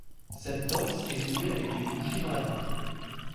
Cette danse est jouée avec des bougies dans la main.